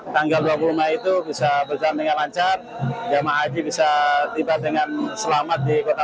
tanggal dua puluh lima itu bisa berjalan dengan lancar jemaah haji bisa tiba dengan selamat di kota